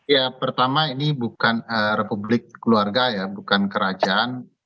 ya pertama ini bukan republik keluarga ya bukan kerajaan